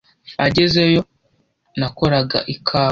Agezeyo nakoraga ikawa